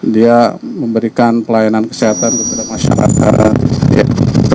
dia memberikan pelayanan kesehatan kepada masyarakat